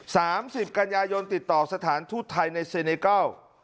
สามสิบกันยายนติดต่อสถานทูตไทยในเซเนเกิล